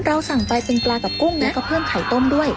เราสั่งไปเป็นปลากับกุ้งแล้วก็เพิ่มไข่ต้มด้วย